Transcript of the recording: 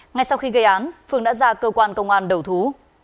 ngay sau khi gây án phương đã ra cơ quan công an đầu thú